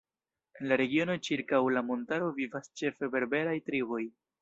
En la regiono ĉirkaŭ la montaro vivas ĉefe berberaj triboj.